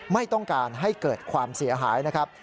ไม่ต้องการให้เกิดความเสียหายนะครับ